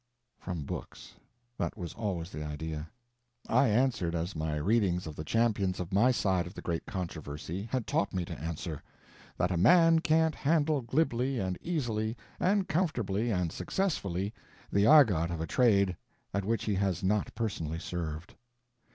From books! That was always the idea. I answered as my readings of the champions of my side of the great controversy had taught me to answer: that a man can't handle glibly and easily and comfortably and successfully the argot of a trade at which he has not personally served.